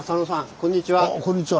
こんにちは。